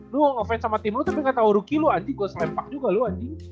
lu mau ngefans sama tim lu tapi gak tau rookie lu anjing gue selepak juga lu anjing